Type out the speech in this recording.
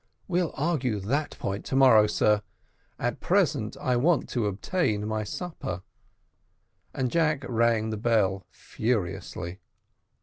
"We'll argue that point to morrow, sir at present I want to obtain my supper;" and Jack rang the bell furiously.